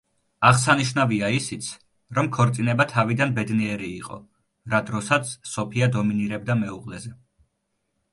აღსანიშნავია ისიც, რომ ქორწინება თავიდან ბედნიერი იყო, რა დროსაც სოფია დომინირებდა მეუღლეზე.